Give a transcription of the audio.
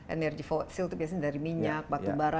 energi fosil itu biasanya dari minyak batu bara